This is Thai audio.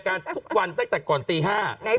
กล้องกว้างอย่างเดียว